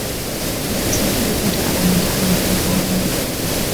Es sind viele gute Argumente angeführt worden.